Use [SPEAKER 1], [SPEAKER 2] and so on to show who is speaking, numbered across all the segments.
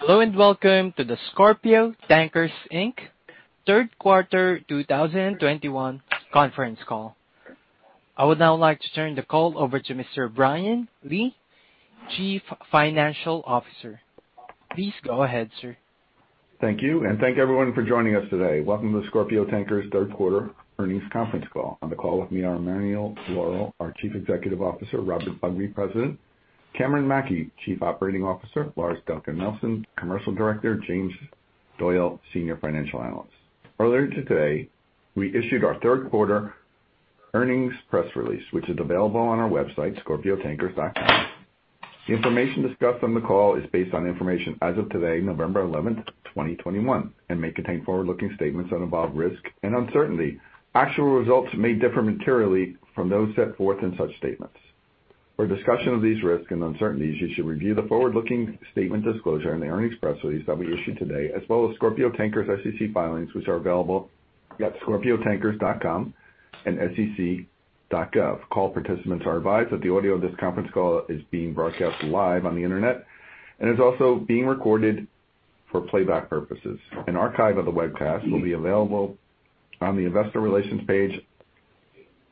[SPEAKER 1] Hello, and welcome to the Scorpio Tankers Inc third quarter 2021 conference call. I would now like to turn the call over to Mr. Brian Lee, Chief Financial Officer. Please go ahead, sir.
[SPEAKER 2] Thank you, and thank everyone for joining us today. Welcome to Scorpio Tankers third quarter earnings conference call. On the call with me are Emanuele Lauro, our Chief Executive Officer, Robert Bugbee, President, Cameron Mackey, Chief Operating Officer, Lars Dencker Nielsen, Commercial Director, James Doyle, Senior Financial Analyst. Earlier today, we issued our third quarter earnings press release, which is available on our website, scorpiotankers.com. The information discussed on the call is based on information as of today, November 11th, 2021, and may contain forward-looking statements that involve risk and uncertainty. Actual results may differ materially from those set forth in such statements. For discussion of these risks and uncertainties, you should review the forward-looking statement disclosure in the earnings press release that we issued today, as well as Scorpio Tankers SEC filings which are available at scorpiotankers.com and sec.gov. Call participants are advised that the audio of this conference call is being broadcast live on the internet and is also being recorded for playback purposes. An archive of the webcast will be available on the investor relations page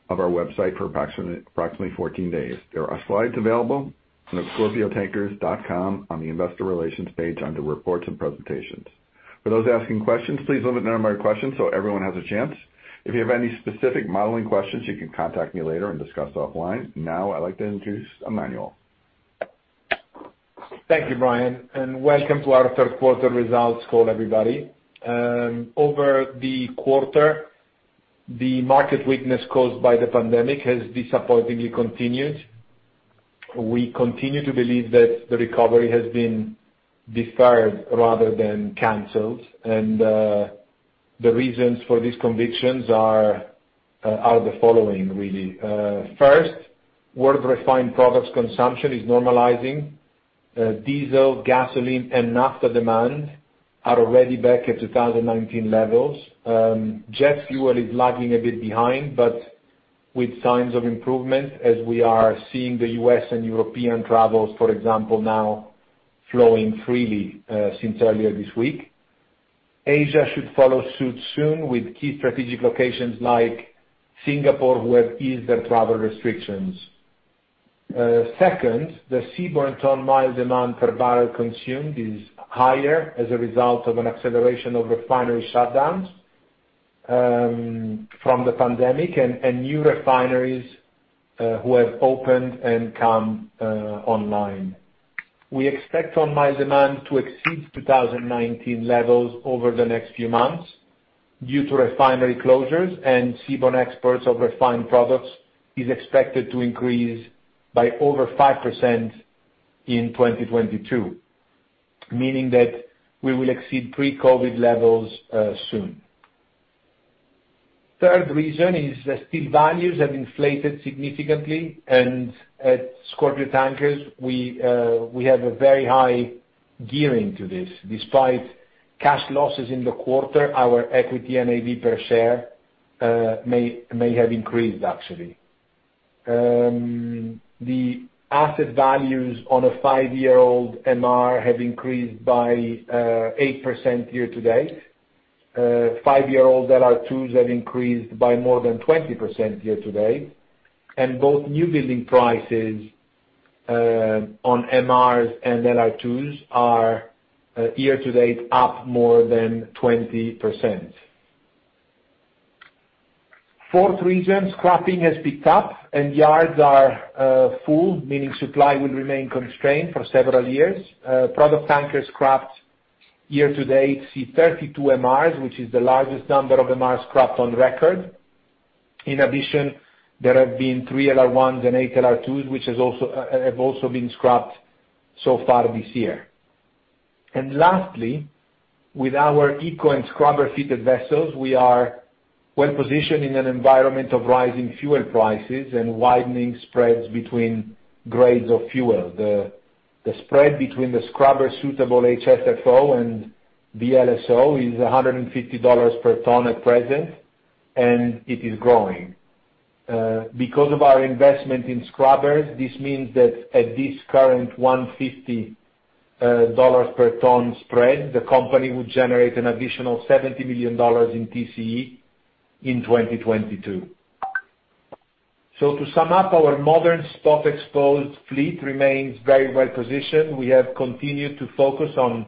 [SPEAKER 2] of our website for approximately 14 days. There are slides available on scorpiotankers.com on the investor relations page under Reports and Presentations. For those asking questions, please limit the number of questions so everyone has a chance. If you have any specific modeling questions, you can contact me later and discuss offline. Now I'd like to introduce Emanuele.
[SPEAKER 3] Thank you, Brian, and welcome to our third quarter results call, everybody. Over the quarter, the market weakness caused by the pandemic has disappointingly continued. We continue to believe that the recovery has been deferred rather than canceled, the reasons for these convictions are the following, really. First, world refined products consumption is normalizing. Diesel, gasoline, and naphtha demand are already back at 2019 levels. Jet fuel is lagging a bit behind, but with signs of improvement as we are seeing the U.S. and European travels, for example, now flowing freely, since earlier this week. Asia should follow suit soon, with key strategic locations like Singapore who have eased their travel restrictions. Second, the seaborne ton-mile demand per barrel consumed is higher as a result of an acceleration of refinery shutdowns from the pandemic and new refineries who have opened and come online. We expect ton-mile demand to exceed 2019 levels over the next few months due to refinery closures, and seaborne exports of refined products is expected to increase by over 5% in 2022, meaning that we will exceed pre-COVID levels soon. Third reason is that steel values have inflated significantly, and at Scorpio Tankers, we have a very high gearing to this. Despite cash losses in the quarter, our equity NAV per share may have increased actually. The asset values on a five-year-old MR have increased by 8% year-to-date. 5-year-old LR2s have increased by more than 20% year-to-date, and both new building prices on MRs and LR2s are year-to-date up more than 20%. Fourth reason, scrapping has picked up and yards are full, meaning supply will remain constrained for several years. Product tankers scrapped year-to-date 32 MRs, which is the largest number of MRs scrapped on record. In addition, there have been three LR1s and eight LR2s, which have also been scrapped so far this year. Lastly, with our eco and scrubber-fitted vessels, we are well-positioned in an environment of rising fuel prices and widening spreads between grades of fuel. The spread between the scrubber-suitable HSFO and VLSFO is $150 per ton at present, and it is growing. Because of our investment in scrubbers, this means that at this current $150 per ton spread, the company would generate an additional $70 million in TCE in 2022. To sum up, our modern spot exposed fleet remains very well positioned. We have continued to focus on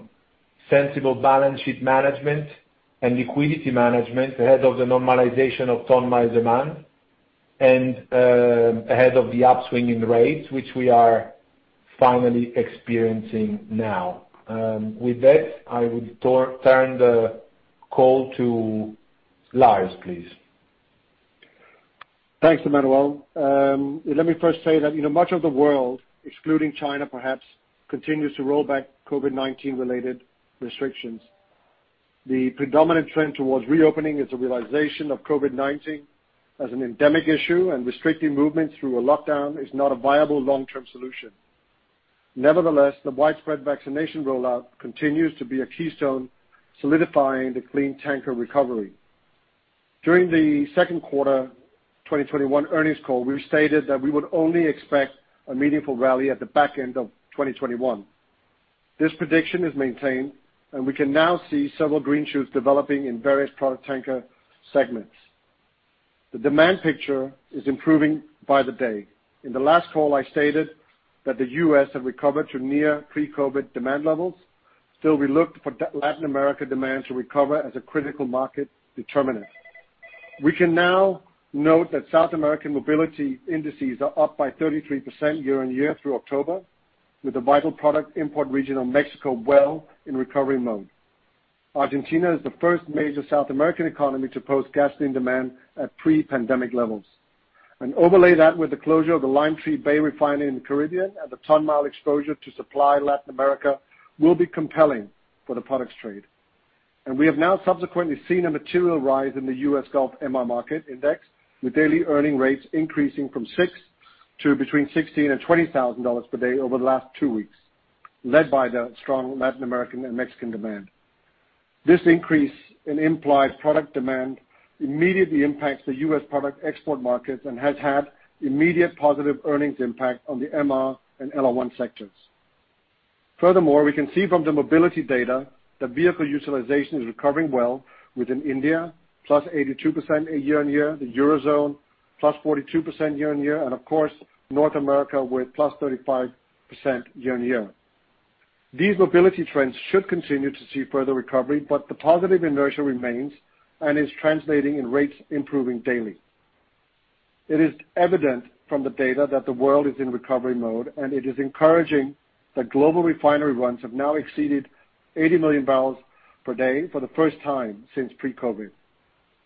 [SPEAKER 3] sensible balance sheet management and liquidity management ahead of the normalization of ton-mile demand and ahead of the upswing in rates which we are finally experiencing now. With that, I would turn the call to Lars, please.
[SPEAKER 4] Thanks, Emanuele. Let me first say that, you know, much of the world, excluding China perhaps, continues to roll back COVID-19 related restrictions. The predominant trend towards reopening is a realization of COVID-19 as an endemic issue and restricting movement through a lockdown is not a viable long-term solution. Nevertheless, the widespread vaccination rollout continues to be a keystone solidifying the clean tanker recovery. During the second quarter 2021 earnings call, we stated that we would only expect a meaningful rally at the back end of 2021. This prediction is maintained, and we can now see several green shoots developing in various product tanker segments. The demand picture is improving by the day. In the last call, I stated that the U.S. have recovered to near pre-COVID demand levels. Still, we looked for Latin America demand to recover as a critical market determinant. We can now note that South American mobility indices are up by 33% year-on-year through October, with the vital product import region of Mexico well in recovery mode. Argentina is the first major South American economy to post gasoline demand at pre-pandemic levels. Overlay that with the closure of the Limetree Bay Refinery in the Caribbean and the ton-mile exposure to supply Latin America will be compelling for the products trade. We have now subsequently seen a material rise in the U.S. Gulf MR market index, with daily earnings rates increasing from $6,000 to between $16,000 and $20,000 per day over the last two weeks, led by the strong Latin American and Mexican demand. This increase in implied product demand immediately impacts the U.S. product export markets and has had immediate positive earnings impact on the MR and LR1 sectors. Furthermore, we can see from the mobility data that vehicle utilization is recovering well within India, +82% year-on-year, the Eurozone +42% year-on-year, and of course, North America with +35% year-on-year. These mobility trends should continue to see further recovery, but the positive inertia remains and is translating in rates improving daily. It is evident from the data that the world is in recovery mode, and it is encouraging that global refinery runs have now exceeded 80 million barrels per day for the first time since pre-COVID.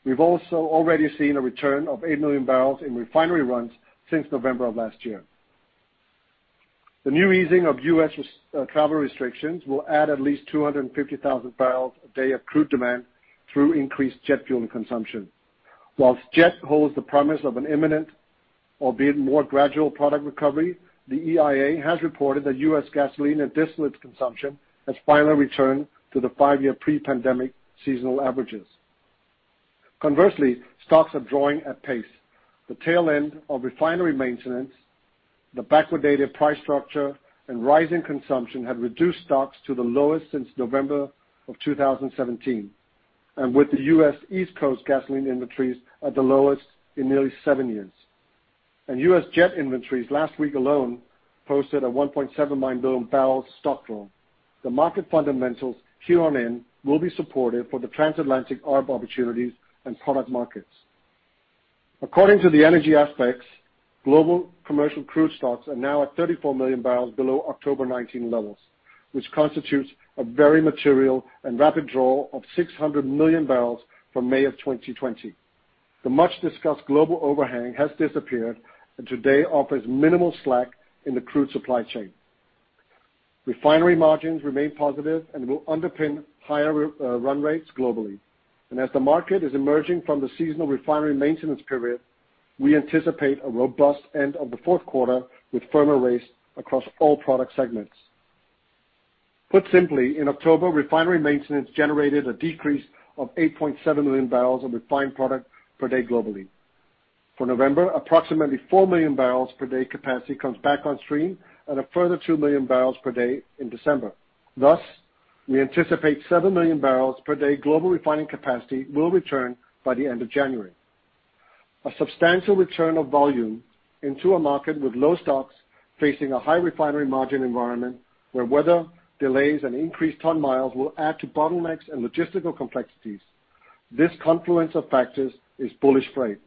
[SPEAKER 4] We've also already seen a return of 8 million barrels in refinery runs since November of last year. The new easing of U.S. travel restrictions will add at least 250,000 barrels a day of crude demand through increased jet fuel and consumption. While jet holds the promise of an imminent, albeit more gradual product recovery, the EIA has reported that U.S. gasoline and distillate consumption has finally returned to the five-year pre-pandemic seasonal averages. Conversely, stocks are drawing at pace. The tail end of refinery maintenance, the backwardated price structure, and rising consumption have reduced stocks to the lowest since November 2017, and with the U.S. East Coast gasoline inventories at the lowest in nearly seven years. U.S. jet inventories last week alone posted a 1.79 million barrels stock draw. The market fundamentals here on in will be supportive for the transatlantic arb opportunities and product markets. According to Energy Aspects, global commercial crude stocks are now at 34 million barrels below October 2019 levels, which constitutes a very material and rapid draw of 600 million barrels from May 2020. The much-discussed global overhang has disappeared and today offers minimal slack in the crude supply chain. Refinery margins remain positive and will underpin higher run rates globally. As the market is emerging from the seasonal refinery maintenance period, we anticipate a robust end of the fourth quarter with firmer rates across all product segments. Put simply, in October, refinery maintenance generated a decrease of 8.7 million barrels of refined product per day globally. For November, approximately 4 million barrels per day capacity comes back on stream at a further 2 million barrels per day in December. Thus, we anticipate 7 million barrels per day global refining capacity will return by the end of January. A substantial return of volume into a market with low stocks facing a high refinery margin environment where weather delays and increased ton miles will add to bottlenecks and logistical complexities. This confluence of factors is bullish freight.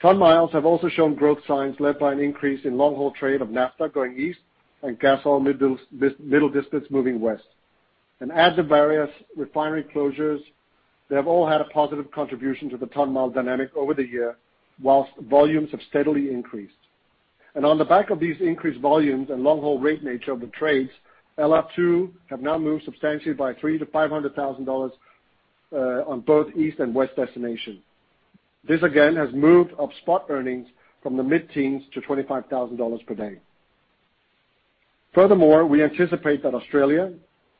[SPEAKER 4] Ton miles have also shown growth signs led by an increase in long-haul trade of naphtha going east and gas oil middle distance moving west. Add the various refinery closures, they have all had a positive contribution to the ton-mile dynamic over the year, while volumes have steadily increased. On the back of these increased volumes and long-haul rate nature of the trades, LR2 have now moved substantially by $300,000 to $500,000 on both East and West destinations. This again, has moved up spot earnings from the mid-teens to $25,000 per day. Furthermore, we anticipate that Australia,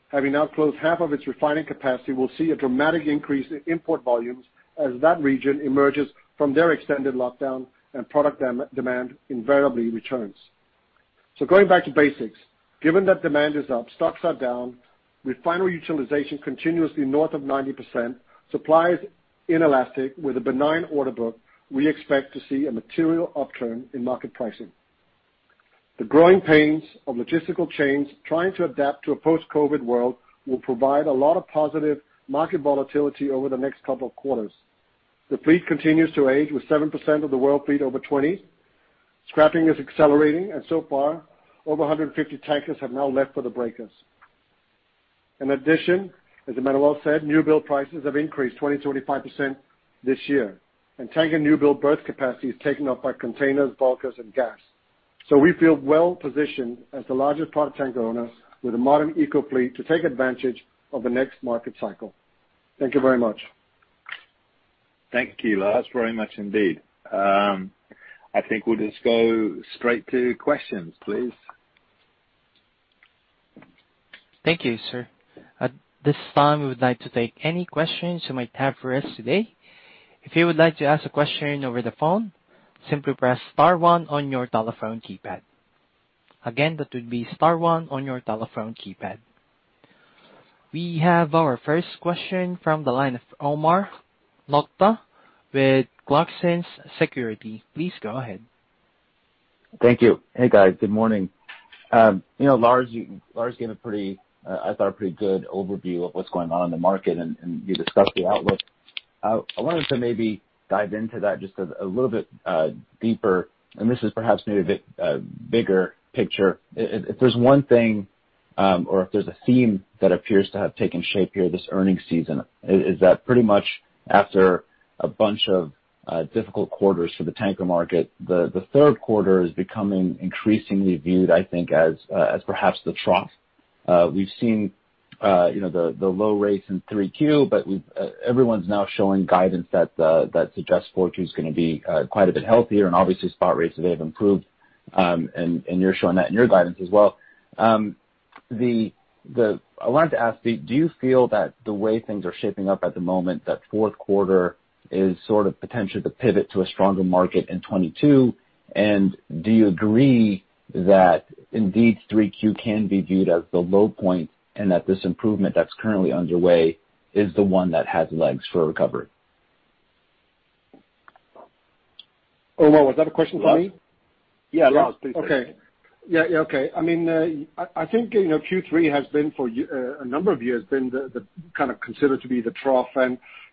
[SPEAKER 4] having now closed half of its refining capacity, will see a dramatic increase in import volumes as that region emerges from their extended lockdown and product demand invariably returns. Going back to basics, given that demand is up, stocks are down, refinery utilization continuously north of 90%, supply is inelastic with a benign order book, we expect to see a material upturn in market pricing. The growing pains of logistical chains trying to adapt to a post-COVID world will provide a lot of positive market volatility over the next couple of quarters. The fleet continues to age with 7% of the world fleet over 20. Scrapping is accelerating, and so far, over 150 tankers have now left for the breakers. In addition, as Emanuele said, new-build prices have increased 20% to 25% this year, and tanker new-build berth capacity is taken up by containers, bulkers, and gas. We feel well-positioned as the largest product tanker owner with a modern eco fleet to take advantage of the next market cycle. Thank you very much.
[SPEAKER 5] Thank you, Lars, very much indeed. I think we'll just go straight to questions, please.
[SPEAKER 1] Thank you, sir. At this time, we would like to take any questions you might have for us today. If you would like to ask a question over the phone, simply press star one on your telephone keypad. Again, that would be star one on your telephone keypad. We have our first question from the line of Omar Nokta with Clarksons Securities. Please go ahead.
[SPEAKER 6] Thank you. Hey, guys. Good morning. You know, Lars gave a pretty, I thought a pretty good overview of what's going on in the market and you discussed the outlook. I wanted to maybe dive into that just a little bit deeper, and this is perhaps maybe a bit bigger picture. If there's one thing or if there's a theme that appears to have taken shape here this earnings season, is that pretty much after a bunch of difficult quarters for the tanker market, the third quarter is becoming increasingly viewed, I think, as perhaps the trough. We've seen, you know, the low rates in 3Q, but everyone's now showing guidance that suggests 4Q is gonna be quite a bit healthier, and obviously spot rates today have improved, and you're showing that in your guidance as well. I wanted to ask, do you feel that the way things are shaping up at the moment, that fourth quarter is sort of potentially the pivot to a stronger market in 2022, and do you agree that indeed 3Q can be viewed as the low point and that this improvement that's currently underway is the one that has legs for recovery?
[SPEAKER 4] Omar, was that a question for me?
[SPEAKER 6] Yeah, Lars, please.
[SPEAKER 4] I mean, I think, you know, Q3 has been for a number of years been the kind of considered to be the trough.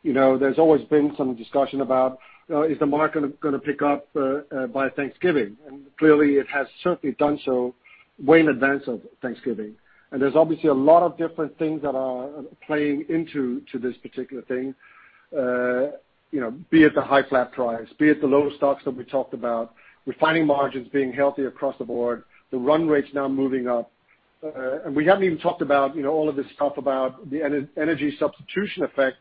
[SPEAKER 4] You know, there's always been some discussion about is the market gonna pick up by Thanksgiving? Clearly it has certainly done so way in advance of Thanksgiving. There's obviously a lot of different things that are playing into this particular thing, you know, be it the high flat price, be it the low stocks that we talked about, refining margins being healthy across the board, the run rates now moving up. We haven't even talked about, you know, all of this stuff about the energy substitution effect,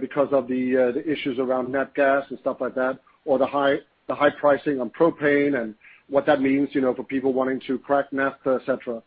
[SPEAKER 4] because of the issues around nat gas and stuff like that, or the high pricing on propane and what that means, you know, for people wanting to crack naphtha, et cetera.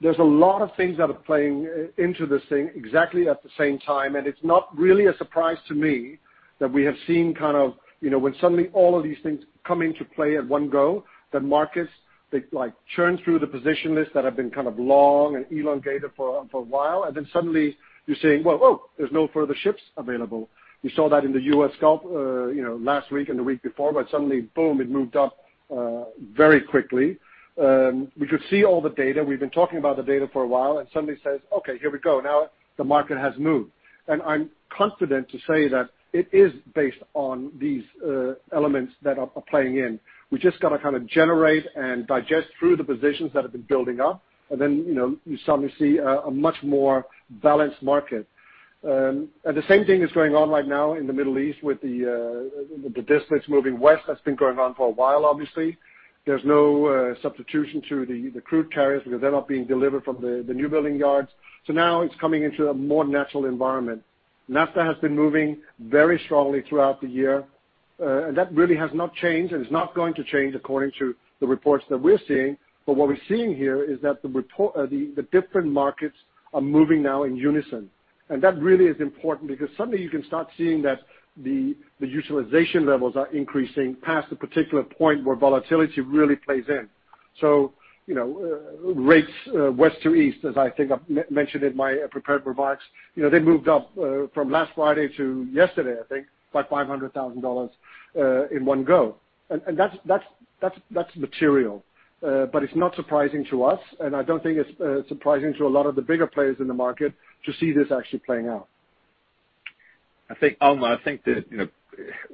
[SPEAKER 4] There's a lot of things that are playing into this thing exactly at the same time, and it's not really a surprise to me that we have seen kind of, you know, when suddenly all of these things come into play at one go, the markets, they like churn through the position lists that have been kind of long and elongated for a while, and then suddenly you're seeing, well, oh, there's no further ships available. We saw that in the U.S. Gulf, you know, last week and the week before, but suddenly, boom, it moved up very quickly. We could see all the data. We've been talking about the data for a while, and suddenly says, "Okay, here we go. Now the market has moved." I'm confident to say that it is based on these elements that are playing in. We just gotta kinda generate and digest through the positions that have been building up and then, you know, you suddenly see a much more balanced market. The same thing is going on right now in the Middle East with the distillates moving west. That's been going on for a while, obviously. There's no substitute for the crude carriers because they're not being delivered from the newbuilding yards. Now it's coming into a more natural environment. Naphtha has been moving very strongly throughout the year, and that really has not changed and is not going to change according to the reports that we're seeing. What we're seeing here is that the different markets are moving now in unison. That really is important because suddenly you can start seeing that the utilization levels are increasing past a particular point where volatility really plays in. You know, rates west to east, as I think I mentioned in my prepared remarks, you know, they moved up from last Friday to yesterday, I think, by $500,000 in one go. That's material, but it's not surprising to us, and I don't think it's surprising to a lot of the bigger players in the market to see this actually playing out.
[SPEAKER 5] I think, Omar, that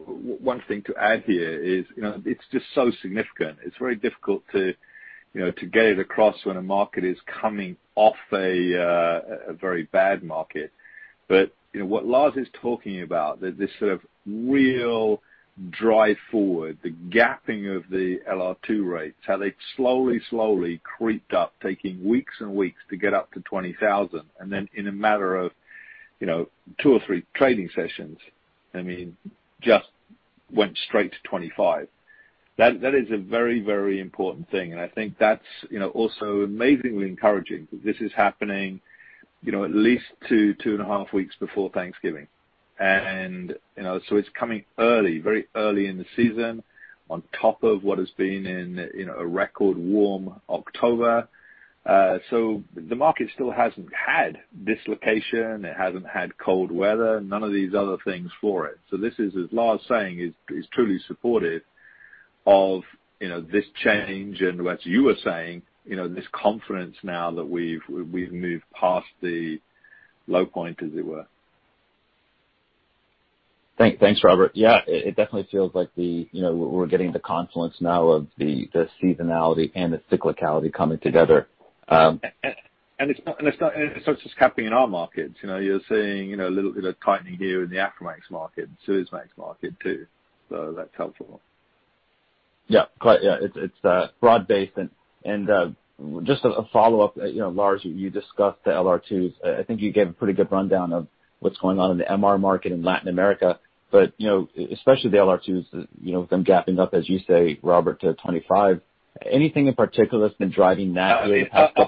[SPEAKER 5] one thing to add here is, you know, it's just so significant. It's very difficult to, you know, to get it across when a market is coming off a very bad market. You know, what Lars is talking about, this sort of real drive forward, the gapping of the LR2 rates, how they've slowly creeped up, taking weeks and weeks to get up to $20,000, and then in a matter of, you know, two or three trading sessions, I mean, just went straight to $25,000. That is a very, very important thing, and I think that's, you know, also amazingly encouraging that this is happening, you know, at least two, two and a half weeks before Thanksgiving. You know, so it's coming early, very early in the season on top of what has been an, you know, a record warm October. The market still hasn't had dislocation, it hasn't had cold weather, none of these other things for it. This is, as Lars is saying, truly supportive of, you know, this change and what you were saying, you know, this confidence now that we've moved past the low point, as it were.
[SPEAKER 6] Thanks, Robert. Yeah, it definitely feels like, you know, we're getting the confluence now of the seasonality and the cyclicality coming together.
[SPEAKER 5] It's not just happening in our markets. You know, you're seeing, you know, a little bit of tightening here in the Aframax market and Suezmax market too. That's helpful.
[SPEAKER 6] Yeah. Right, yeah. It's broad-based. Just a follow-up. You know, Lars, you discussed the LR2s. I think you gave a pretty good rundown of what's going on in the MR market in Latin America, but you know, especially the LR2s, you know, with them gapping up, as you say, Robert, to 25. Anything in particular that's been driving that?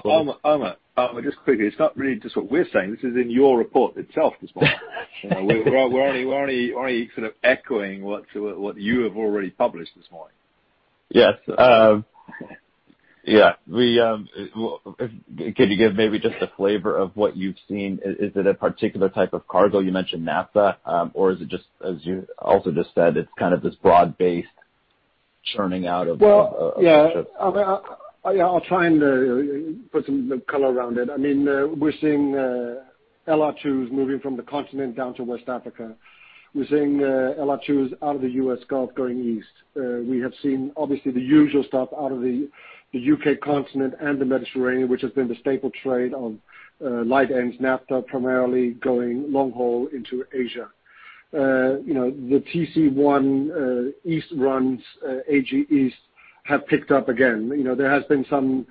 [SPEAKER 5] Omar, just quickly, it's not really just what we're saying. This is in your report itself this morning. We're only sort of echoing what you have already published this morning.
[SPEAKER 6] Yes. Yeah. Can you give maybe just a flavor of what you've seen? Is it a particular type of cargo? You mentioned naphtha, or is it just as you also just said, it's kind of this broad-based churning out of ships?
[SPEAKER 4] Well, yeah. I mean, I'll try and put some color around it. I mean, we're seeing LR2s moving from the continent down to West Africa. We're seeing LR2s out of the U.S. Gulf going east. We have seen obviously the usual stuff out of the U.K. continent and the Mediterranean, which has been the staple trade on light ends, naphtha primarily going long haul into Asia. You know, the TC1 east runs, AG east, have picked up again. You know, there has been some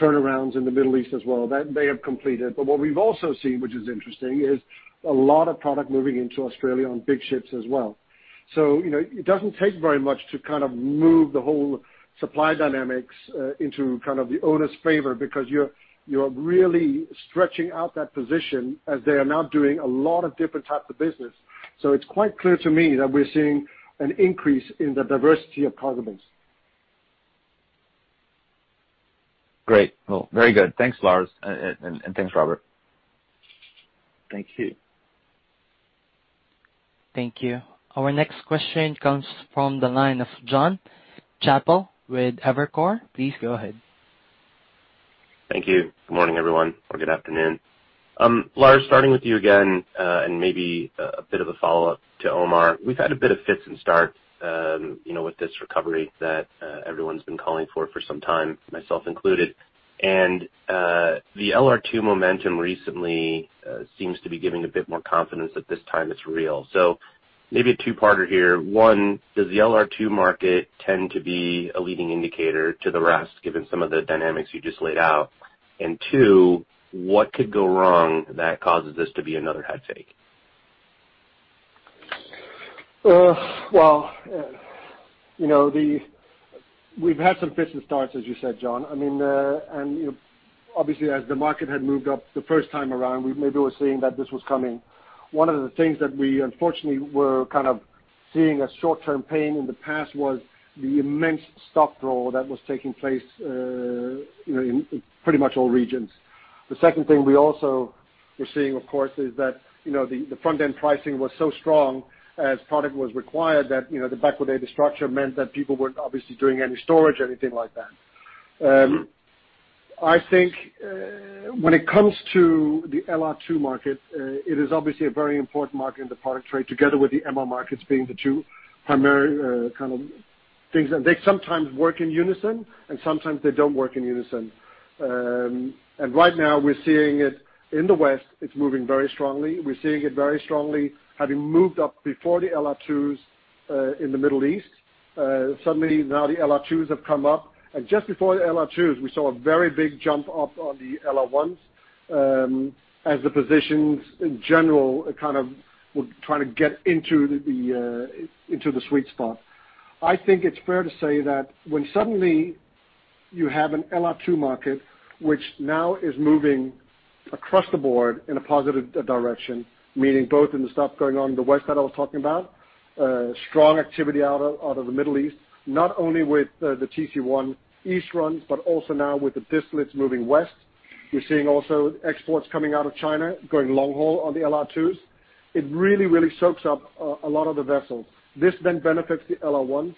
[SPEAKER 4] turnarounds in the Middle East as well that they have completed. What we've also seen, which is interesting, is a lot of product moving into Australia on big ships as well. You know, it doesn't take very much to kind of move the whole supply dynamics into kind of the owner's favor because you're really stretching out that position as they are now doing a lot of different types of business. It's quite clear to me that we're seeing an increase in the diversity of cargo business.
[SPEAKER 6] Great. Well, very good. Thanks, Lars, and thanks, Robert.
[SPEAKER 4] Thank you.
[SPEAKER 1] Thank you. Our next question comes from the line of Jon Chappell with Evercore. Please go ahead.
[SPEAKER 7] Thank you. Good morning, everyone, or good afternoon. Lars, starting with you again, and maybe a bit of a follow-up to Omar. We've had a bit of fits and starts, you know, with this recovery that everyone's been calling for for some time, myself included. The LR2 momentum recently seems to be giving a bit more confidence that this time it's real. Maybe a two-parter here. One, does the LR2 market tend to be a leading indicator to the rest, given some of the dynamics you just laid out? Two, what could go wrong that causes this to be another head fake?
[SPEAKER 4] Well, you know, we've had some fits and starts, as you said, Jon. I mean, you know, obviously as the market had moved up the first time around, we maybe were seeing that this was coming. One of the things that we unfortunately were kind of seeing as short-term pain in the past was the immense stock draw that was taking place, you know, in pretty much all regions. The second thing we also were seeing, of course, is that, you know, the front-end pricing was so strong as product was required that, you know, the backwardated structure meant that people weren't obviously doing any storage, anything like that. I think, when it comes to the LR2 market, it is obviously a very important market in the product trade, together with the MR markets being the two primary, kind of things. They sometimes work in unison, and sometimes they don't work in unison. Right now we're seeing it in the West, it's moving very strongly. We're seeing it very strongly having moved up before the LR2s in the Middle East. Suddenly now the LR2s have come up. Just before the LR2s, we saw a very big jump up on the LR1s, as the positions in general kind of were trying to get into the sweet spot. I think it's fair to say that when suddenly you have an LR2 market, which now is moving across the board in a positive direction, meaning both in the stuff going on in the West that I was talking about, strong activity out of the Middle East, not only with the TC1 east runs, but also now with the distillates moving west. We're seeing also exports coming out of China, going long haul on the LR2s. It really soaks up a lot of the vessels. This then benefits the LR1s,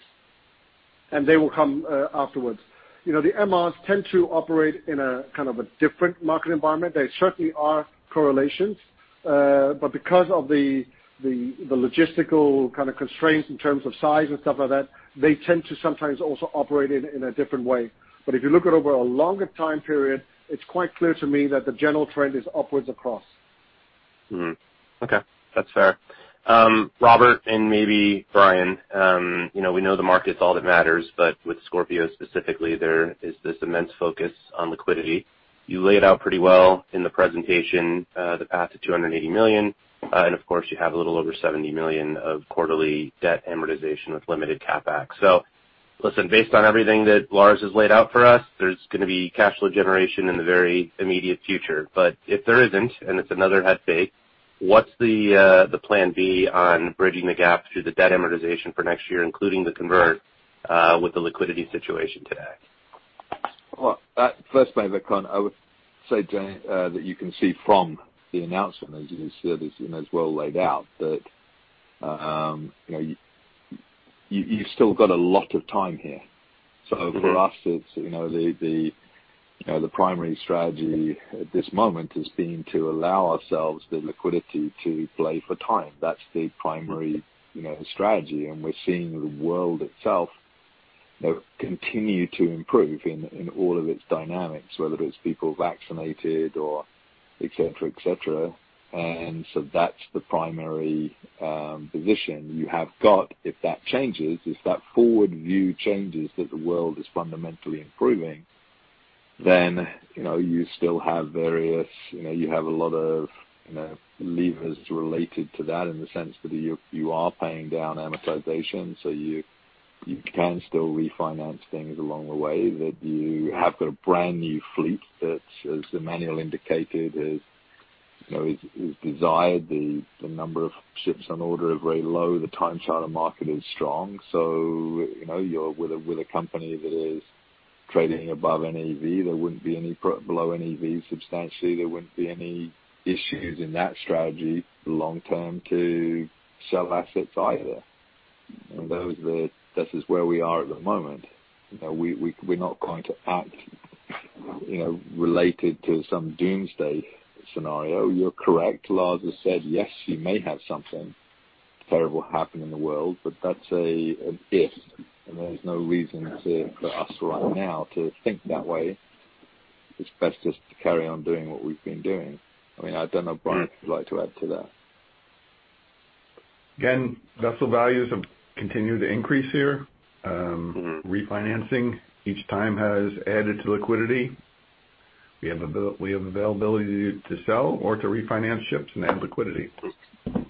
[SPEAKER 4] and they will come afterwards. You know, the MRs tend to operate in a kind of a different market environment. There certainly are correlations, but because of the logistical kind of constraints in terms of size and stuff like that, they tend to sometimes also operate in a different way. If you look at over a longer time period, it's quite clear to me that the general trend is upwards across.
[SPEAKER 7] Okay. That's fair. Robert and maybe Brian, you know, we know the market's all that matters, but with Scorpio specifically, there is this immense focus on liquidity. You laid out pretty well in the presentation, the path to $280 million, and of course, you have a little over $70 million of quarterly debt amortization with limited CapEx. Listen, based on everything that Lars has laid out for us, there's gonna be cash flow generation in the very immediate future. If there isn't, and it's another head fake, what's the plan B on bridging the gap through the debt amortization for next year, including the convert, with the liquidity situation today?
[SPEAKER 5] Well, firstly, I would say that you can see from the announcement, as you just said, it's, you know, it's well laid out, that, you know, you still got a lot of time here. For us, it's, you know, the primary strategy at this moment has been to allow ourselves the liquidity to play for time. That's the primary, you know, strategy. We're seeing the world itself, you know, continue to improve in all of its dynamics, whether it's people vaccinated or et cetera, et cetera. That's the primary position you have got. If that changes, if that forward view changes that the world is fundamentally improving, you know, you still have a lot of, you know, levers related to that in the sense that you are paying down amortization, so you can still refinance things along the way, that you have got a brand new fleet that, as Emanuele indicated, is, you know, desired. The number of ships on order are very low. The time charter market is strong. You know, you're with a company that is trading above NAV. There wouldn't be any below NAV substantially. There wouldn't be any issues in that strategy long term to sell assets either. This is where we are at the moment. You know, we're not going to act, you know, related to some doomsday scenario. You're correct. Lars has said, yes, you may have something terrible happen in the world, but that's an if, and there's no reason to, for us right now to think that way. It's best just to carry on doing what we've been doing. I mean, I don't know if Brian would like to add to that.
[SPEAKER 2] Again, vessel values have continued to increase here. Refinancing each time has added to liquidity. We have availability to sell or to refinance ships and add liquidity.
[SPEAKER 7] Okay.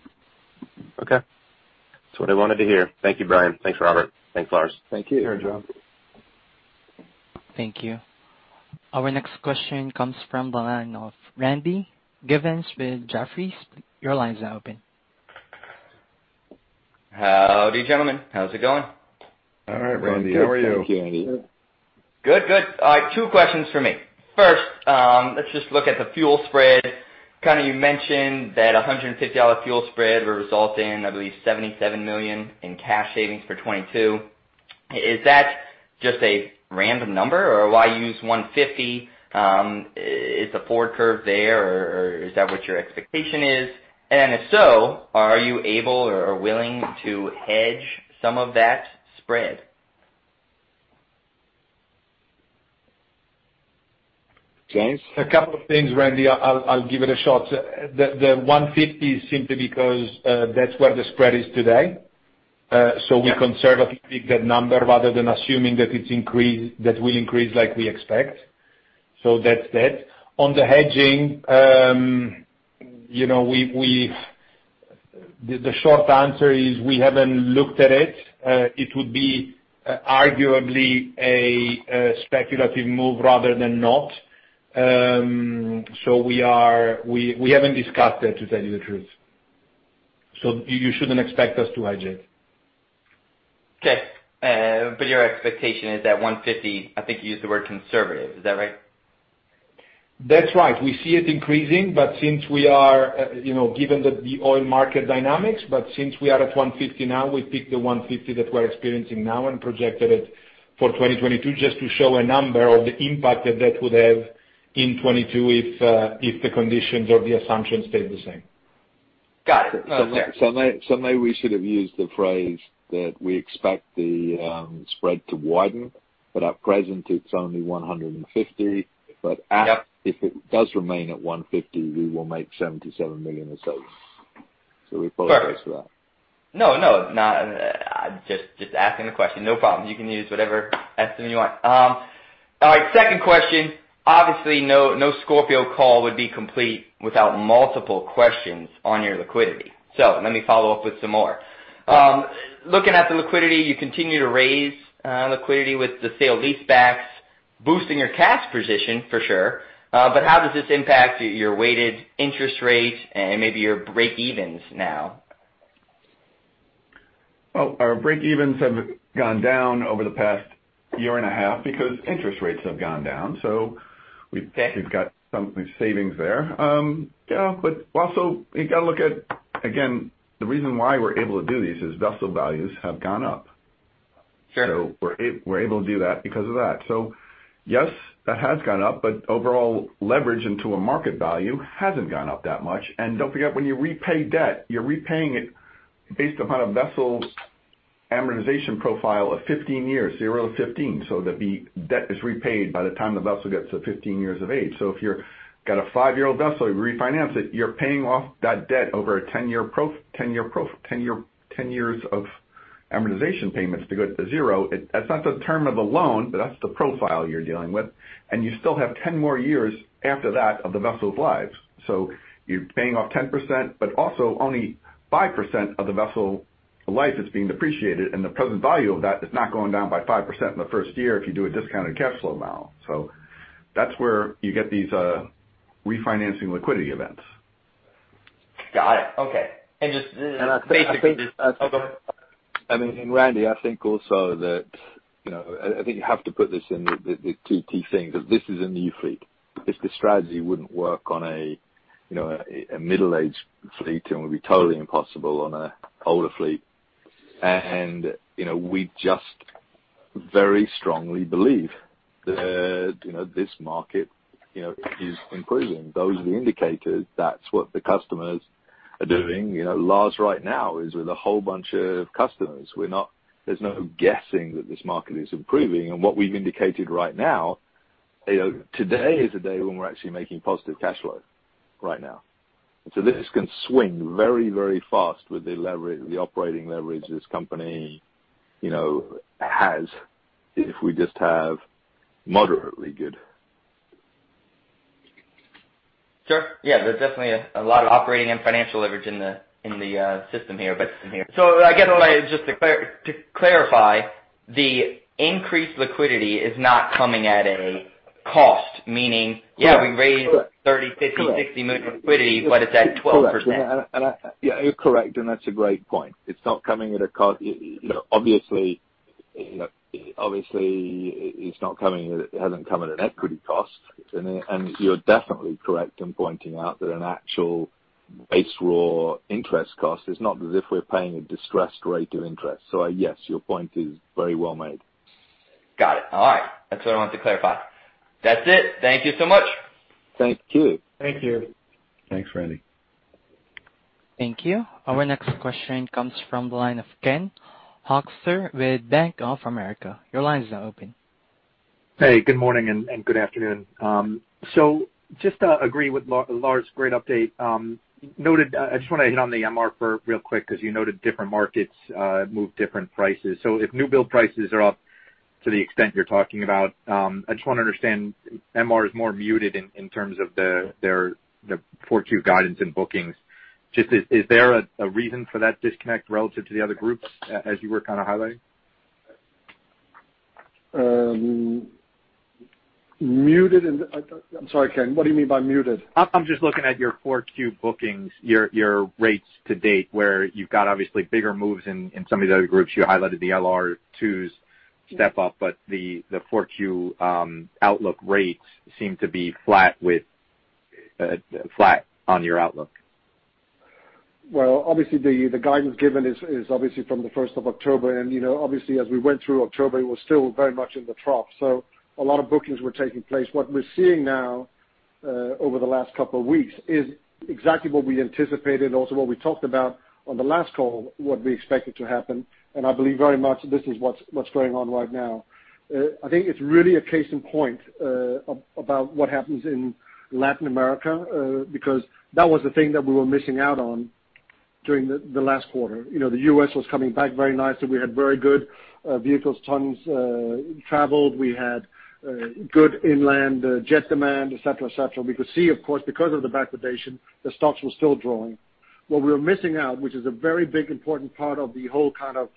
[SPEAKER 7] That's what I wanted to hear. Thank you, Brian. Thanks, Robert. Thanks, Lars.
[SPEAKER 2] Thank you.
[SPEAKER 5] Thank you, Jon.
[SPEAKER 1] Thank you. Our next question comes from the line of Randy Giveans with Jefferies. Your line is now open.
[SPEAKER 8] Howdy, gentlemen. How's it going?
[SPEAKER 2] All right, Randy. How are you?
[SPEAKER 5] Good, thank you.
[SPEAKER 4] Thank you, Randy.
[SPEAKER 8] Good, good. All right. Two questions from me. First, let's just look at the fuel spread. Kind of you mentioned that a $150 fuel spread would result in, I believe, $77 million in cash savings for 2022. Is that just a random number or why use 150? Is the forward curve there or is that what your expectation is? And if so, are you able or willing to hedge some of that spread?
[SPEAKER 5] James?
[SPEAKER 9] A couple of things, Randy. I'll give it a shot. The $150 is simply because that's where the spread is today. So we conservatively pick that number rather than assuming that it will increase like we expect. So that's that. On the hedging, you know, the short answer is we haven't looked at it. It would be arguably a speculative move rather than not. So we haven't discussed it, to tell you the truth. So you shouldn't expect us to hedge it.
[SPEAKER 8] Okay. Your expectation is that $150, I think you used the word conservative, is that right?
[SPEAKER 9] That's right. We see it increasing, but since we are, you know, given the oil market dynamics, but since we are at $150 now, we picked the $150 that we're experiencing now and projected it for 2022 just to show a number of the impact that that would have in 2022 if the conditions or the assumptions stayed the same.
[SPEAKER 8] Got it.
[SPEAKER 5] Maybe we should have used the phrase that we expect the spread to widen, but at present it's only $150. But if it does remain at $150, we will make $77 million or so. We apologize for that.
[SPEAKER 8] No. Just asking the question. No problem. You can use whatever estimate you want. All right, second question. Obviously, no Scorpio call would be complete without multiple questions on your liquidity. Let me follow up with some more. Looking at the liquidity, you continue to raise liquidity with the sale leasebacks, boosting your cash position for sure. But how does this impact your weighted interest rate and maybe your breakevens now?
[SPEAKER 2] Well, our breakevens have gone down over the past year and a half because interest rates have gone down. We've got some savings there. Yeah, but also you gotta look at, again, the reason why we're able to do this is vessel values have gone up.
[SPEAKER 8] Sure.
[SPEAKER 2] We're able to do that because of that. Yes, that has gone up, but overall leverage to market value hasn't gone up that much. Don't forget, when you repay debt, you're repaying it based upon a vessel amortization profile of 15 years, zero to 15, so that the debt is repaid by the time the vessel gets to 15 years of age. If you've got a five-year-old vessel, you refinance it, you're paying off that debt over 10 years of amortization payments to go to zero. That's not the term of the loan, but that's the profile you're dealing with. You still have 10 more years after that of the vessel's life. You're paying off 10%, but also only 5% of the vessel life is being depreciated, and the present value of that is not going down by 5% in the first year if you do a discounted cash flow model. That's where you get these refinancing liquidity events.
[SPEAKER 8] Got it. Okay.
[SPEAKER 5] I think.
[SPEAKER 8] Go ahead.
[SPEAKER 5] I mean, Randy, I think also that, you know, I think you have to put this in the two key things, that this is a new fleet. This strategy wouldn't work on a middle-aged fleet and would be totally impossible on an older fleet. We just very strongly believe that this market is improving. Those are the indicators. That's what the customers are doing. You know, Lars right now is with a whole bunch of customers. We're not guessing that this market is improving. What we've indicated right now, you know, today is a day when we're actually making positive cash flow right now. This can swing very, very fast with the leverage, the operating leverage this company, you know, has if we just have moderately good.
[SPEAKER 8] Sure. Yeah, there's definitely a lot of operating and financial leverage in the system here. I guess just to clarify, the increased liquidity is not coming at a cost. Meaning, yeah, we raised $30 million, $50 million, $60 million liquidity, but it's at 12%.
[SPEAKER 5] Correct. Yeah, you're correct, and that's a great point. It's not coming at a cost. You know, obviously, it's not coming, it hasn't come at an equity cost. You're definitely correct in pointing out that an actual base rate interest cost is not as if we're paying a distressed rate of interest. Yes, your point is very well made.
[SPEAKER 8] Got it. All right. That's what I wanted to clarify. That's it. Thank you so much.
[SPEAKER 3] Thank you.
[SPEAKER 4] Thank you.
[SPEAKER 5] Thanks, Randy.
[SPEAKER 1] Thank you. Our next question comes from the line of Ken Hoexter with Bank of America. Your line is now open.
[SPEAKER 10] Hey, good morning and good afternoon. Just agree with Lars, great update. Noted, I just want to hit on the MR really quick because you noted different markets move different prices. If new build prices are up to the extent you're talking about, I just want to understand MR is more muted in terms of their 4Q guidance and bookings. Is there a reason for that disconnect relative to the other groups as you were kinda highlighting?
[SPEAKER 4] I'm sorry, Ken, what do you mean by muted?
[SPEAKER 10] I'm just looking at your 4Q bookings, your rates-to-date, where you've got obviously bigger moves in some of these other groups. You highlighted the LR2s step up, but the 42Q outlook rates seem to be flat with flat on your outlook.
[SPEAKER 4] Well, obviously the guidance given is obviously from the 1st of October. You know, obviously as we went through October, it was still very much in the trough. A lot of bookings were taking place. What we're seeing now over the last couple of weeks is exactly what we anticipated and also what we talked about on the last call, what we expected to happen, and I believe very much this is what's going on right now. I think it's really a case in point about what happens in Latin America because that was the thing that we were missing out on during the last quarter. You know, the U.S. was coming back very nicely. We had very good vehicles tons traveled. We had good inland jet demand, et cetera, et cetera. We could see, of course, because of the vaccination, the stocks were still drawing. What we were missing out, which is a very big important part of the whole kind of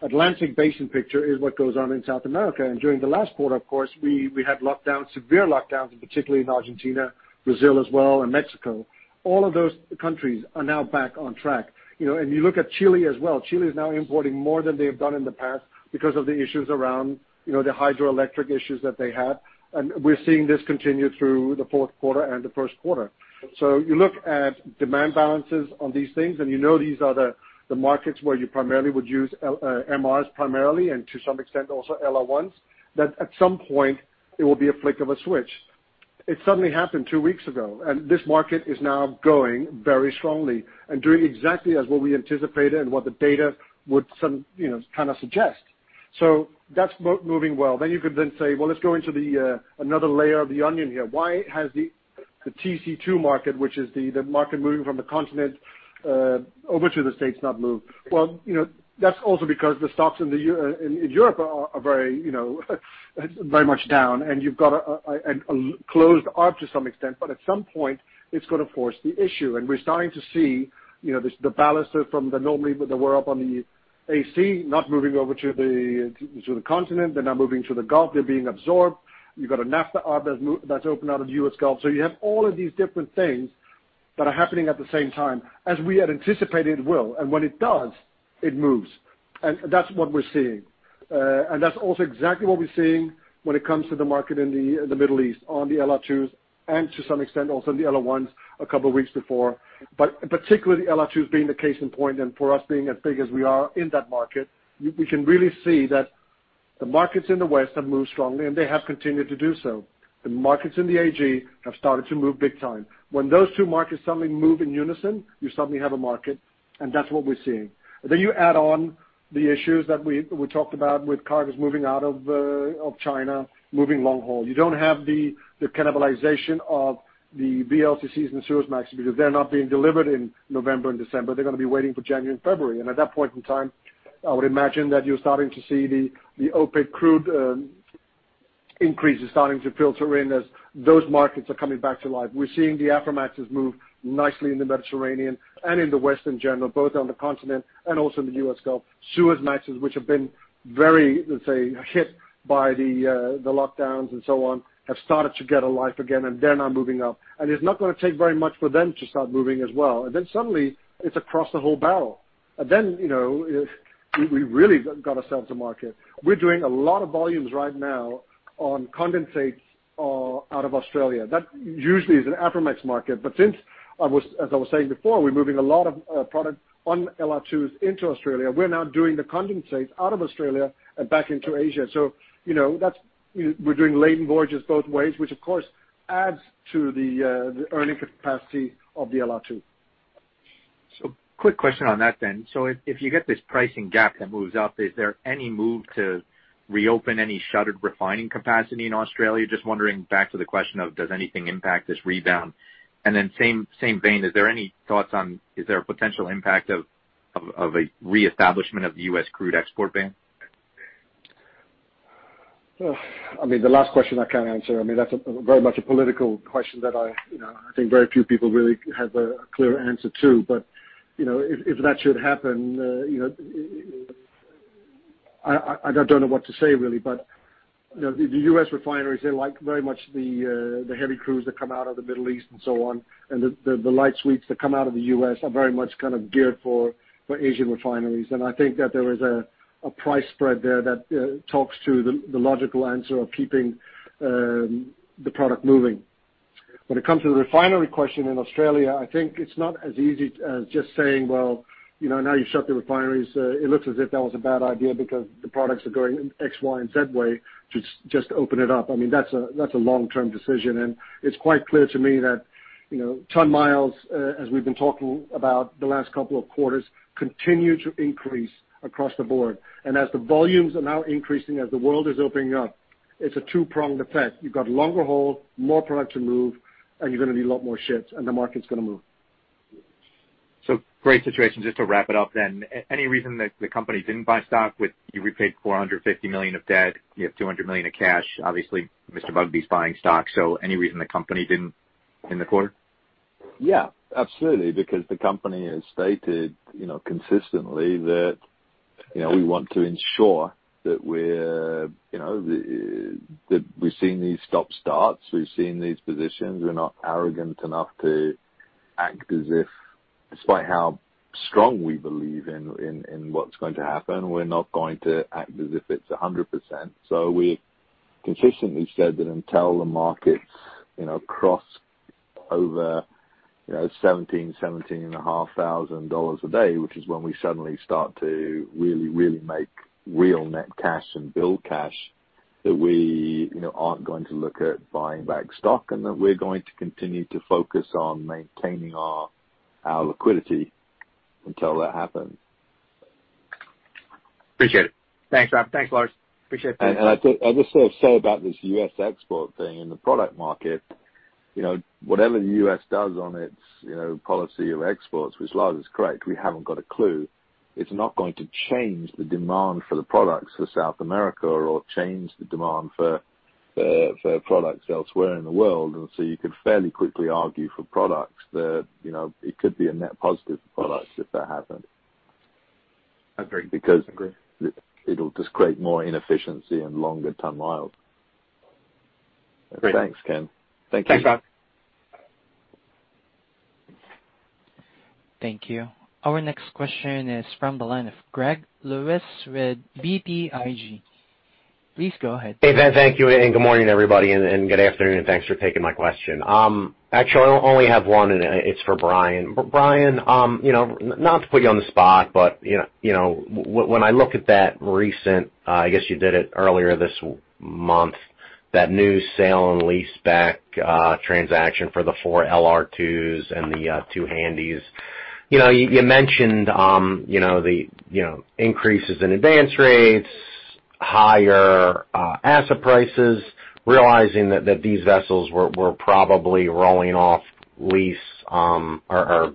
[SPEAKER 4] Atlantic basin picture, is what goes on in South America. During the last quarter, of course, we had lockdowns, severe lockdowns, and particularly in Argentina, Brazil as well, and Mexico. All of those countries are now back on track. You know, and you look at Chile as well. Chile is now importing more than they have done in the past because of the issues around, you know, the hydroelectric issues that they had. We're seeing this continue through the fourth quarter and the first quarter. You look at demand balances on these things, and you know these are the markets where you primarily would use MRs primarily, and to some extent also LR1s, that at some point it will be a flick of a switch. It suddenly happened two weeks ago, and this market is now going very strongly and doing exactly as what we anticipated and what the data would, you know, kind of suggest. That's moving well. You could say, well, let's go into another layer of the onion here. Why has the TC2 market, which is the market moving from the continent over to the States, not moved? Well, you know, that's also because the stocks in the U.S. and in Europe are very much down. You've got a closed up to some extent, but at some point it's gonna force the issue. We're starting to see, you know, this, the ballasts from the normally that were up on the AC, not moving over to the continent. They're now moving to the Gulf. They're being absorbed. You've got a NAFTA hub that's opened out of the U.S. Gulf. So you have all of these different things that are happening at the same time, as we had anticipated it will. When it does, it moves. That's what we're seeing. That's also exactly what we're seeing when it comes to the market in the Middle East on the LR2s and to some extent also in the LR1s a couple of weeks before. Particularly the LR2s being the case in point and for us being as big as we are in that market, we can really see that the markets in the West have moved strongly, and they have continued to do so. The markets in the AG have started to move big time. When those two markets suddenly move in unison, you suddenly have a market, and that's what we're seeing. Then you add on the issues that we talked about with cargoes moving out of China, moving long haul. You don't have the cannibalization of the VLCCs and the Suezmax because they're not being delivered in November and December. They're gonna be waiting for January and February. At that point in time, I would imagine that you're starting to see the OPEC crude increases starting to filter in as those markets are coming back to life. We're seeing the Aframaxes move nicely in the Mediterranean and in the West in general, both on the continent and also in the U.S. Gulf. Suezmaxes, which have been very, let's say, hit by the lockdowns and so on, have started to get a life again, and they're now moving up. It's not gonna take very much for them to start moving as well. Then suddenly it's across the whole barrel. Then, you know, if we really got to sell to market. We're doing a lot of volumes right now on condensate out of Australia. That usually is an Aframax market. As I was saying before, we're moving a lot of product on LR2s into Australia. We're now doing the condensates out of Australia and back into Asia. You know, we're doing laden voyages both ways, which of course adds to the earning capacity of the LR2.
[SPEAKER 10] Quick question on that then. If you get this pricing gap that moves up, is there any move to reopen any shuttered refining capacity in Australia? Just wondering, back to the question, does anything impact this rebound? Same vein, is there any thoughts on a potential impact of a reestablishment of the U.S. crude export ban?
[SPEAKER 4] Oh, I mean, the last question I can't answer. I mean, that's very much a political question that, you know, I think very few people really have a clear answer to. You know, if that should happen, you know, I don't know what to say, really. You know, the U.S. refineries, they like very much the heavy crudes that come out of the Middle East and so on, and the light sweets that come out of the U.S. are very much kind of geared for Asian refineries. I think that there is a price spread there that talks to the logical answer of keeping the product moving. When it comes to the refinery question in Australia, I think it's not as easy as just saying, "Well, you know, now you shut the refineries. It looks as if that was a bad idea because the products are going X, Y, and Z way. Just open it up." I mean, that's a long-term decision. It's quite clear to me that, you know, ton miles, as we've been talking about the last couple of quarters, continue to increase across the board. As the volumes are now increasing, as the world is opening up, it's a two-pronged effect. You've got longer haul, more product to move, and you're gonna need a lot more ships, and the market's gonna move.
[SPEAKER 10] Great situation. Just to wrap it up then, any reason that the company didn't buy stock with you repaid $450 million of debt. You have $200 million of cash. Obviously, Mr. Bugbee's buying stock, so any reason the company didn't in the quarter?
[SPEAKER 5] Yeah, absolutely. Because the company has stated, you know, consistently that, you know, we want to ensure that we're, you know, that we've seen these stop starts, we've seen these positions. We're not arrogant enough to act as if, despite how strong we believe in what's going to happen, we're not going to act as if it's 100%. We consistently said that until the markets, you know, cross over, you know, $17,000, $17,500 a day, which is when we suddenly start to really make real net cash and build cash, that we, you know, aren't going to look at buying back stock, and that we're going to continue to focus on maintaining our liquidity until that happens.
[SPEAKER 10] Appreciate it. Thanks, Rob. Thanks, Lars. Appreciate the update.
[SPEAKER 5] I think, I'll just sort of say about this U.S. export thing in the product market, you know, whatever the U.S. does on its, you know, policy of exports, which Lars is correct, we haven't got a clue, it's not going to change the demand for the products for South America or change the demand for products elsewhere in the world. You could fairly quickly argue for products that, you know, it could be a net positive for products if that happened.
[SPEAKER 10] Agreed.
[SPEAKER 5] Because-
[SPEAKER 10] Agreed.
[SPEAKER 5] It'll just create more inefficiency and longer ton-miles.
[SPEAKER 10] Great.
[SPEAKER 5] Thanks, Ken. Thank you.
[SPEAKER 10] Thanks, Rob.
[SPEAKER 1] Thank you. Our next question is from the line of Greg Lewis with BTIG. Please go ahead.
[SPEAKER 11] Hey, Brian, thank you, and good morning, everybody, and good afternoon, and thanks for taking my question. Actually, I only have one, and it's for Brian. Brian, you know, not to put you on the spot, but you know, when I look at that recent, I guess you did it earlier this month, that new sale and leaseback transaction for the four LR2s and the two handies. You know, you mentioned you know, the increases in advance rates, higher asset prices, realizing that these vessels were probably rolling off lease or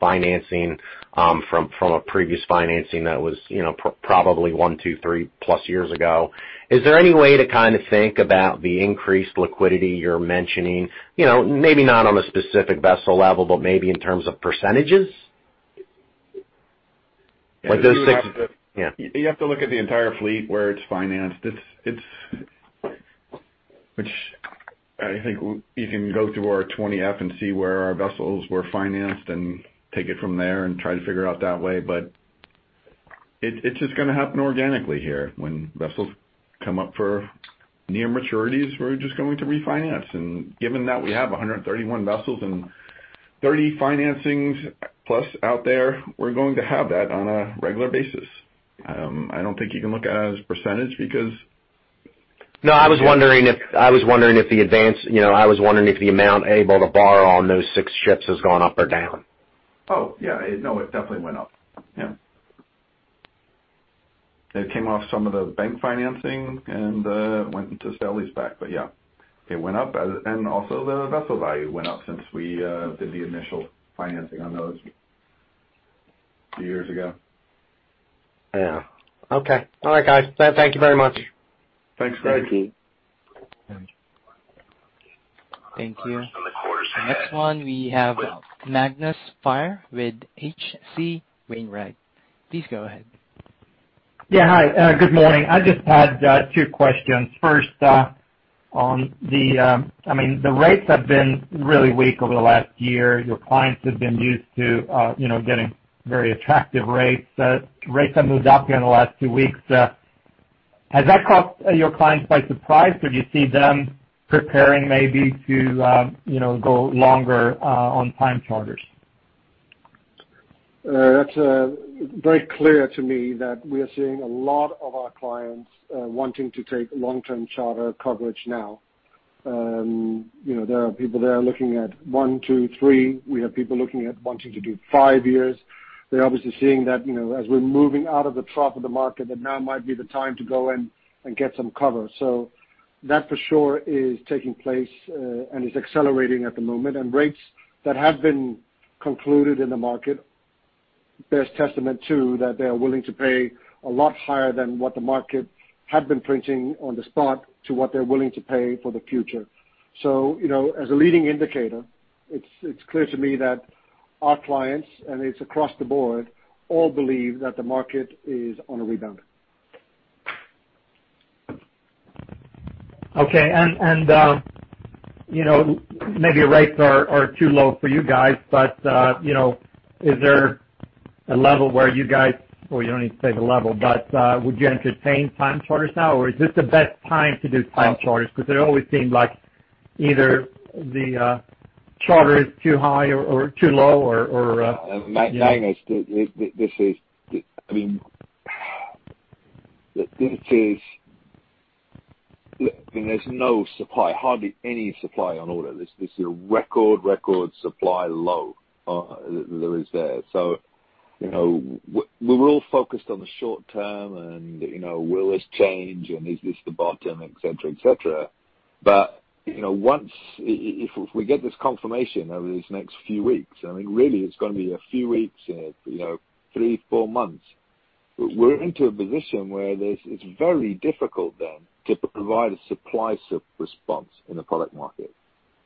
[SPEAKER 11] financing from a previous financing that was you know, probably one, two, three plus years ago. Is there any way to kind of think about the increased liquidity you're mentioning? You know, maybe not on a specific vessel level, but maybe in terms of percentages? Like those six-
[SPEAKER 2] You have to-
[SPEAKER 11] Yeah.
[SPEAKER 2] You have to look at the entire fleet where it's financed. It's which I think you can go through our 20-F and see where our vessels were financed and take it from there and try to figure out that way. It's just gonna happen organically here. When vessels come up for near maturities, we're just going to refinance. Given that we have 131 vessels and 30 financings plus out there, we're going to have that on a regular basis. I don't think you can look at it as a percentage because-
[SPEAKER 11] No, I was wondering if the amount able to borrow on those six ships has gone up or down.
[SPEAKER 2] Oh, yeah. No, it definitely went up. Yeah. It came off some of the bank financing and went into sale leaseback. Yeah, it went up. Also the vessel value went up since we did the initial financing on those a few years ago.
[SPEAKER 11] Yeah. Okay. All right, guys. Thank you very much.
[SPEAKER 2] Thanks, Greg.
[SPEAKER 1] Thank you. Next one, we have Magnus Fyhr with H.C. Wainwright. Please go ahead.
[SPEAKER 12] Yeah, hi. Good morning. I just had two questions. First, I mean, the rates have been really weak over the last year. Your clients have been used to, you know, getting very attractive rates. Rates have moved up here in the last two weeks. Has that caught your clients by surprise? Do you see them preparing maybe to, you know, go longer on time charters?
[SPEAKER 4] It's very clear to me that we are seeing a lot of our clients wanting to take long-term charter coverage now. You know, there are people there looking at one, two, three. We have people looking at wanting to do five years. They're obviously seeing that, you know, as we're moving out of the trough of the market, that now might be the time to go in and get some cover. That for sure is taking place and is accelerating at the moment. Rates that have been concluded in the market best testament, too, that they are willing to pay a lot higher than what the market had been printing on the spot to what they're willing to pay for the future. You know, as a leading indicator, it's clear to me that our clients, and it's across the board, all believe that the market is on a rebound.
[SPEAKER 12] Okay. You know, maybe rates are too low for you guys, but you know, is there a level where you guys would entertain time charters now, or is this the best time to do time charters? You don't need to say the level. Because it always seemed like either the charter is too high or too low or yeah.
[SPEAKER 5] This is, I mean, there's no supply, hardly any supply on order. This is a record supply low. You know, we're all focused on the short term and, you know, will this change and is this the bottom, et cetera. You know, once if we get this confirmation over these next few weeks, I mean, really, it's gonna be a few weeks, you know, three, four months. We're into a position where this is very difficult then to provide a supply response in the product market.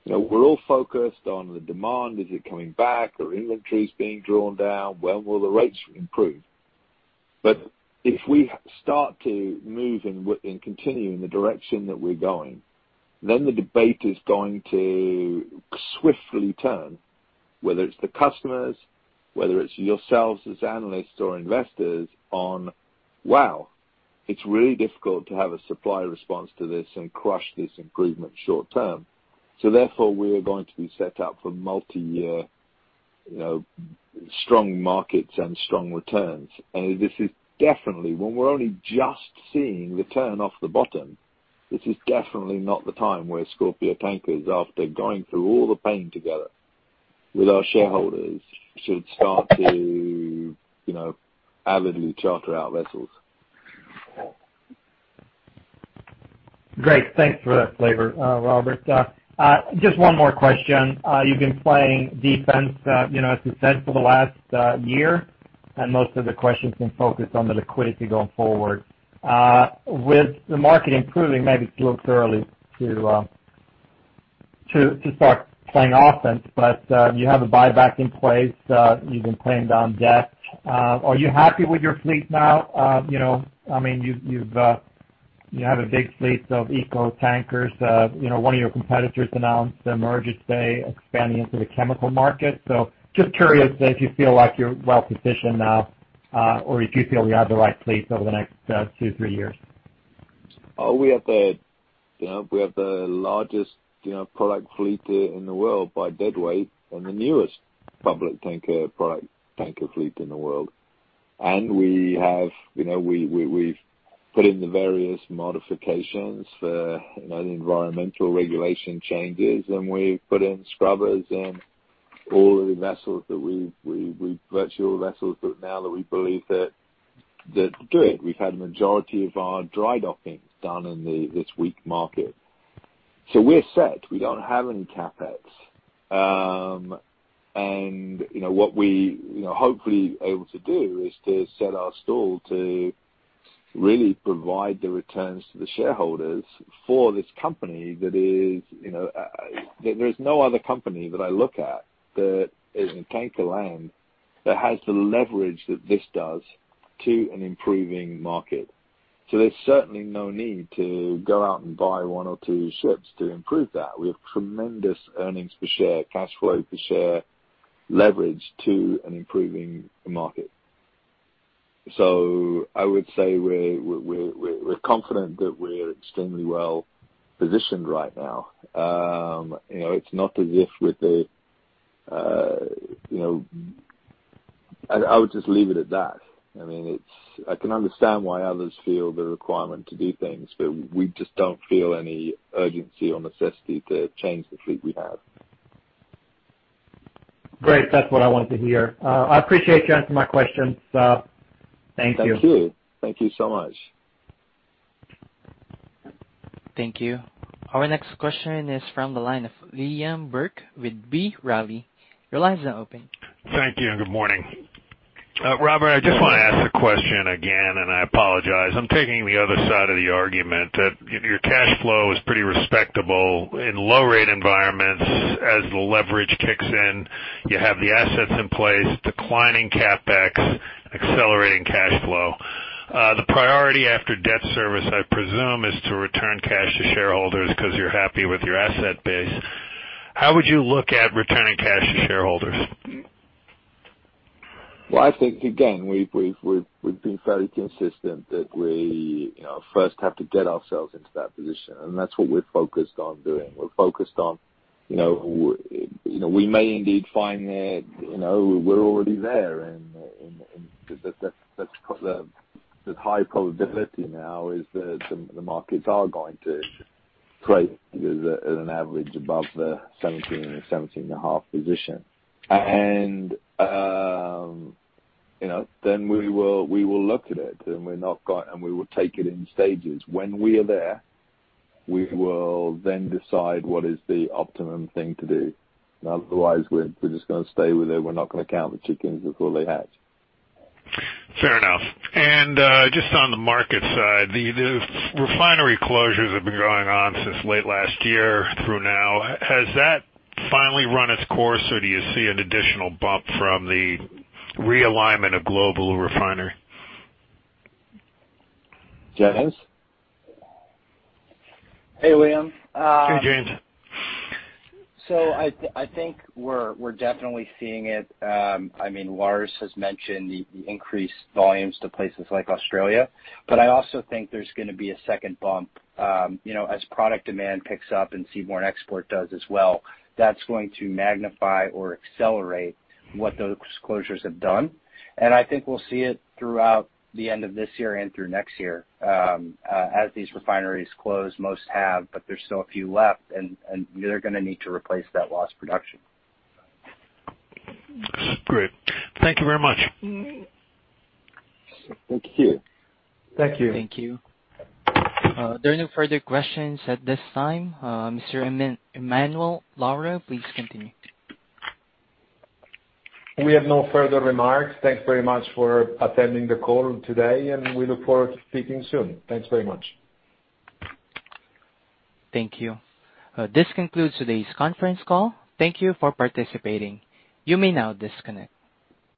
[SPEAKER 5] You know, we're all focused on the demand. Is it coming back? Are inventories being drawn down? When will the rates improve? If we start to move and continue in the direction that we're going, then the debate is going to swiftly turn, whether it's the customers, whether it's yourselves as analysts or investors on, wow, it's really difficult to have a supply response to this and crush this improvement short term. Therefore, we are going to be set up for multi-year, you know, strong markets and strong returns. This is definitely when we're only just seeing the turn off the bottom. This is definitely not the time where Scorpio Tankers, after going through all the pain together with our shareholders, should start to, you know, avidly charter our vessels.
[SPEAKER 12] Great. Thanks for that flavor, Robert. Just one more question. You've been playing defense, you know, as you said, for the last year, and most of the questions have been focused on the liquidity going forward. With the market improving, maybe it's a little too early to start playing offense, but you have the buyback in place, you've been paying down debt. Are you happy with your fleet now? You know, I mean, you have a big fleet of eco tankers. You know, one of your competitors announced a merger today, expanding into the chemical market. So just curious if you feel like you're well-positioned now, or if you feel you have the right fleet over the next two, three years.
[SPEAKER 5] Oh, we have the largest, you know, product fleet in the world by deadweight and the newest public product tanker fleet in the world. We have, you know, we've put in the various modifications for, you know, the environmental regulation changes, and we've put in scrubbers in all of the vessels that we've virtually all vessels, but now that we believe that that'll do it. We've had majority of our dry docking done in this weak market. We're set. We don't have any CapEx. What we, you know, hopefully able to do is to set our stall to really provide the returns to the shareholders for this company that is, you know. There's no other company that I look at that is in tanker land that has the leverage that this does to an improving market. There's certainly no need to go out and buy one or two ships to improve that. We have tremendous earnings per share, cash flow per share, leverage to an improving market. I would say we're confident that we're extremely well-positioned right now. I would just leave it at that. I mean, I can understand why others feel the requirement to do things, but we just don't feel any urgency or necessity to change the fleet we have.
[SPEAKER 12] Great. That's what I wanted to hear. I appreciate you answering my questions. Thank you.
[SPEAKER 5] Thank you. Thank you so much.
[SPEAKER 1] Thank you. Our next question is from the line of Liam Burke with B. Riley. Your line is now open.
[SPEAKER 13] Thank you, and good morning. Robert, I just wanna ask the question again, and I apologize. I'm taking the other side of the argument that, you know, your cash flow is pretty respectable in low rate environments. As the leverage kicks in, you have the assets in place, declining CapEx, accelerating cash flow. The priority after debt service, I presume, is to return cash to shareholders 'cause you're happy with your asset base. How would you look at returning cash to shareholders?
[SPEAKER 5] Well, I think, again, we've been fairly consistent that we, you know, first have to get ourselves into that position, and that's what we're focused on doing. We're focused on, you know, we may indeed find that, you know, we're already there and that that's the high probability now is that the markets are going to trade as an average above the $17,000 to $17,500 position. You know, then we will look at it and we're not go and we will take it in stages. When we are there, we will then decide what is the optimum thing to do. Otherwise, we're just gonna stay with it. We're not gonna count the chickens before they hatch.
[SPEAKER 13] Fair enough. Just on the market side, the refinery closures have been going on since late last year through now. Has that finally run its course, or do you see an additional bump from the realignment of global refinery?
[SPEAKER 5] James?
[SPEAKER 9] Hey, Liam.
[SPEAKER 13] Hey, James.
[SPEAKER 9] I think we're definitely seeing it. I mean, Lars has mentioned the increased volumes to places like Australia. I also think there's gonna be a second bump, you know, as product demand picks up and seaborne export does as well. That's going to magnify or accelerate what those closures have done. I think we'll see it throughout the end of this year and through next year, as these refineries close. Most have, but there's still a few left, and they're gonna need to replace that lost production.
[SPEAKER 13] Great. Thank you very much.
[SPEAKER 5] Thank you.
[SPEAKER 3] Thank you.
[SPEAKER 1] Thank you. There are no further questions at this time. Mr. Emanuele Lauro, please continue.
[SPEAKER 3] We have no further remarks. Thanks very much for attending the call today, and we look forward to speaking soon. Thanks very much.
[SPEAKER 1] Thank you. This concludes today's conference call. Thank you for participating. You may now disconnect.